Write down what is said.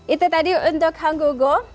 itu tadi untuk hango go